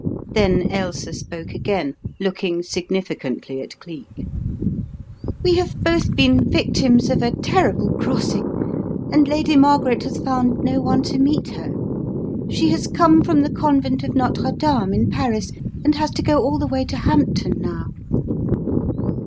Then Ailsa spoke again, looking significantly at Cleek. "We have both been victims of a terrible crossing, and Lady Margaret has found no one to meet her. She has come from the convent of Notre Dame in Paris, and has to go all the way to Hampton now."